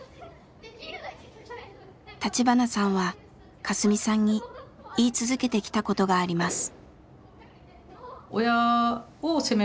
橘さんはカスミさんに言い続けてきたことがあります。